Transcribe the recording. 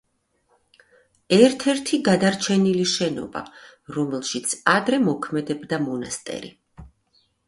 ერთ-ერთი გადარჩენილი შენობა, რომელშიც ადრე მოქმედებდა მონასტერი.